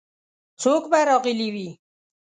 څوک به راغلي وي؟